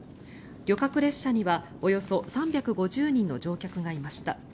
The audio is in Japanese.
旅客列車にはおよそ３５０人の乗客がいました。